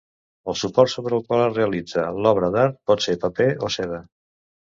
El suport sobre el qual es realitza l'obra d'art pot ser paper o seda.